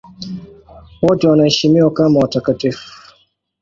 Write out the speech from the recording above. Wote wanaheshimiwa kama watakatifu.